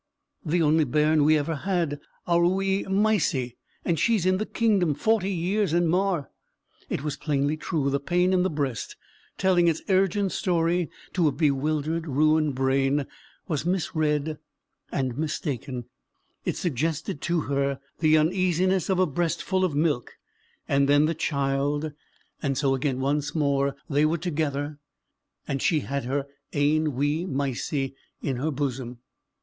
"The only bairn we ever had; our wee Mysie, and she's in the Kingdom, forty years and mair." It was plainly true: the pain in the breast, telling its urgent story to a bewildered, ruined brain, was misread and mistaken; it suggested to her the uneasiness of a breast full of milk and then the child; and so again once more they were together and she had her ain wee Mysie in her bosom.